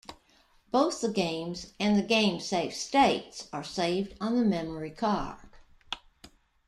Both the games and the game save states are saved on the memory card.